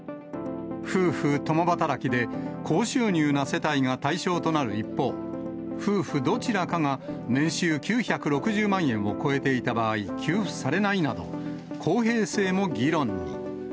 夫婦共働きで、高収入な世帯が対象となる一方、夫婦どちらかが年収９６０万円を超えていた場合、給付されないなど、公平性も議論に。